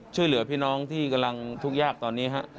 ช่วยเหลือพี่น้องที่กำลังทุกข์ยากตอนนี้ฮะ